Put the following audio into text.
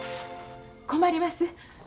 困ります。